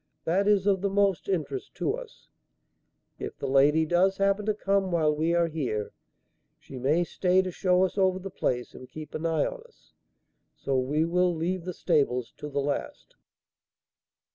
That is of the most interest to us. If the lady does happen to come while we are here, she may stay to show us over the place and keep an eye on us. So we will leave the stables to the last."